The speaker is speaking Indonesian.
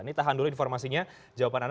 ini tahan dulu informasinya jawaban anda